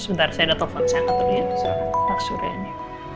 sebentar saya ada telepon saya akan tanya